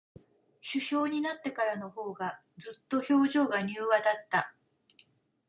首相になってからのほうが、ずっと、表情が柔和だった。